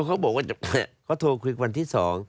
ก็เขาโดนโทรคุยกันวันที่๒